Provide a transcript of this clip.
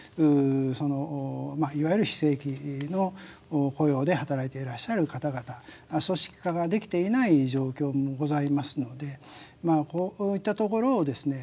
そのまあいわゆる非正規の雇用で働いていらっしゃる方々組織化ができていない状況もございますのでまあこういったところをですね